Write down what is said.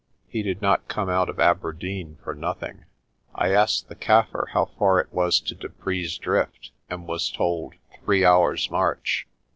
He did not come out of Aberdeen for nothing. I asked the Kaffir how far it was to Dupree's Drift, and was told three hours' march.